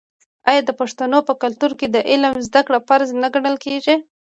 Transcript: آیا د پښتنو په کلتور کې د علم زده کړه فرض نه ګڼل کیږي؟